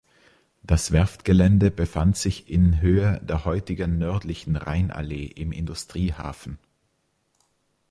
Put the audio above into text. Das Werftgelände befand sich in Höhe der heutigen nördlichen Rheinallee im Industriehafen.